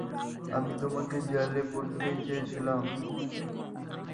আমি তোমাকে জেলে পুরতেই চেয়েছিলাম।